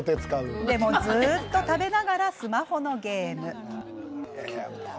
でも、ずっと食べながらスマホのゲーム。